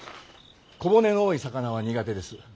小骨の多い魚は苦手です。